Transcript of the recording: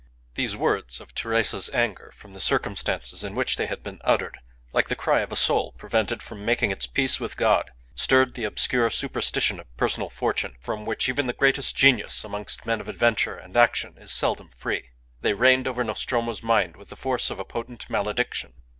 These words of Teresa's anger, from the circumstances in which they had been uttered, like the cry of a soul prevented from making its peace with God, stirred the obscure superstition of personal fortune from which even the greatest genius amongst men of adventure and action is seldom free. They reigned over Nostromo's mind with the force of a potent malediction.